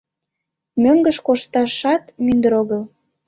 Мӧҥгыш кошташат мӱндыр огыл.